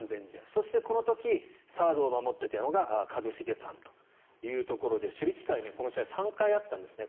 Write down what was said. そしてこの時サードを守っていたのが一茂さんということで守備機会この時３回あったんですね。